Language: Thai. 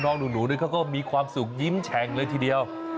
น้องหนูเขาก็มีความสุขยิ้มแฉ่งเลยทีเดียว